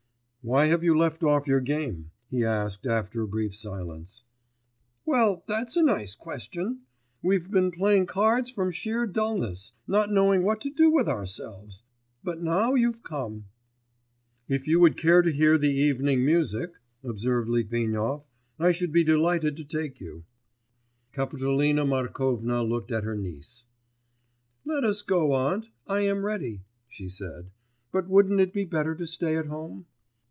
'Why have you left off your game?' he asked after a brief silence. 'Well, that's a nice question! We've been playing cards from sheer dulness, not knowing what to do with ourselves ... but now you've come.' 'If you would care to hear the evening music,' observed Litvinov, 'I should be delighted to take you.' Kapitolina Markovna looked at her niece. 'Let us go, aunt, I am ready,' she said, 'but wouldn't it be better to stay at home?